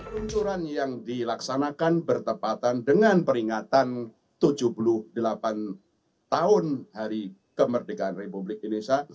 peluncuran yang dilaksanakan bertepatan dengan peringatan tujuh puluh delapan tahun hari kemerdekaan republik indonesia